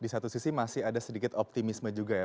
di satu sisi masih ada sedikit optimisme juga ya